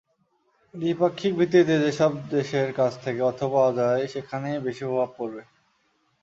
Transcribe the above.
দ্বিপাক্ষিকভিত্তিতে যেসব দেশের কাছ থেকে অর্থ পাওয়া যায়, সেখানেই বেশি প্রভাব পড়বে।